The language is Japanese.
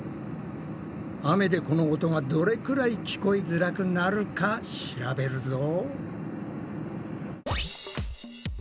雨でこの音がどれくらい聞こえづらくなるか調べるぞ！